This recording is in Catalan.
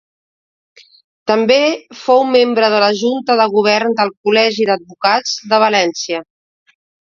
També fou membre de la junta de govern del Col·legi d'Advocats de València.